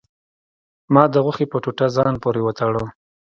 ما د غوښې په ټوټه ځان پورې وتړه.